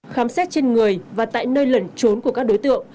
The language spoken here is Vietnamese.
khám xét trên người và tại nơi lẩn trốn của các đối tượng